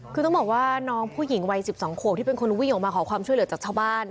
คือต้องบอกว่าน้องผู้หญิงวัย๑๒ขวบที่เป็นคนวิ่งออกมาขอความช่วยเหลือจากชาวบ้าน